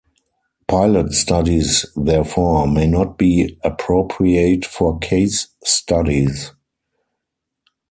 Pilot studies, therefore, may not be appropriate for case studies.